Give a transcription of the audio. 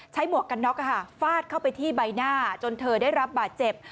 หมวกกันน็อกฟาดเข้าไปที่ใบหน้าจนเธอได้รับบาดเจ็บ